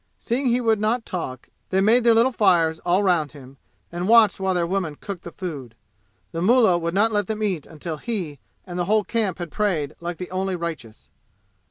Seeing he would not talk, they made their little fires all around him and watched while their women cooked the food. The mullah would not let them eat until he and the whole camp had prayed like the only righteous.